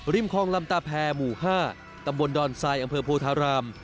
คลองลำตาแพรหมู่๕ตำบลดอนทรายอำเภอโพธาราม